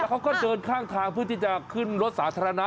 เขาก็เดินข้างทางเพื่อที่จะขึ้นรถสาธารณะ